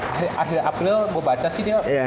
akhir april gue baca sih dia